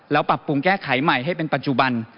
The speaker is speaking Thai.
แล้วปรับปรุงแก้ไขใหม่ให้เป็นปัจจุบัน